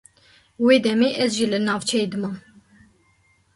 Wê demê ez jî li navçeyê dimam.